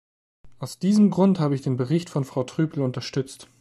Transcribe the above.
Aus diesem Grund habe ich den Bericht von Frau Trüpel unterstützt.